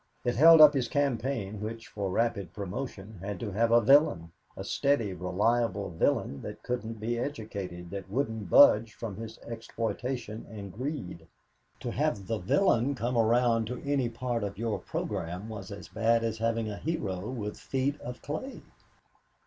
It held up his campaign, which, for rapid promotion, had to have a villain, a steady, reliable villain that couldn't be educated, that wouldn't budge from his exploitation and greed. To have the villain come around to any part of your program was as bad as having a hero with feet of clay.